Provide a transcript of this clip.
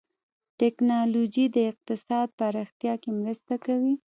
ټکنالوجي د اقتصاد پراختیا کې مرسته کوي.